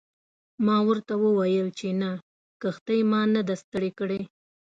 ما ورته وویل چې نه کښتۍ ما نه ده ستړې کړې.